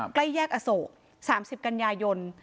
ใกล้แยกอโศก๓๐กันยายน